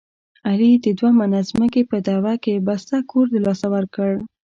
علي د دوه منه ځمکې په دعوه کې بسته کور دلاسه ورکړ.